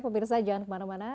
pemirsa jangan kemana mana